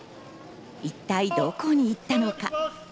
一体どこに行ったのか？